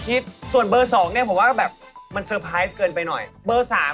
๒กีทีเหรอจะสี่ไม่ได้น่ะ